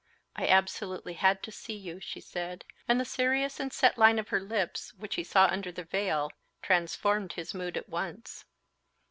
I absolutely had to see you," she said; and the serious and set line of her lips, which he saw under the veil, transformed his mood at once.